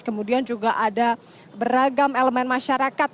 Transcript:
kemudian juga ada beragam elemen masyarakat